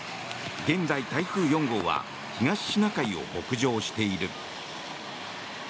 現在、台風４号は東シナ海を北上している。